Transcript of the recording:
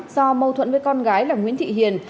do mâu thuẫn với con gái là nguyễn thị hiền